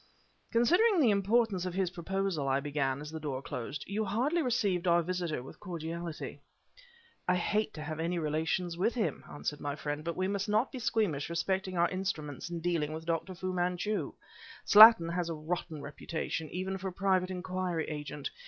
"Considering the importance of his proposal," I began, as the door closed, "you hardly received our visitor with cordiality." "I hate to have any relations with him," answered my friend; "but we must not be squeamish respecting our instruments in dealing with Dr. Fu Manchu. Slattin has a rotten reputation even for a private inquiry agent.